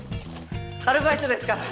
アルバイトですから！